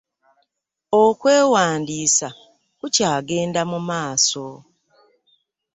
Okwewandiisa kukyagenda mu maaso.